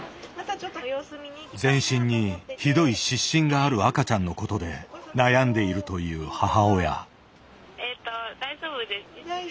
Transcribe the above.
全身にひどい湿疹がある赤ちゃんのことで悩んでいるという母親。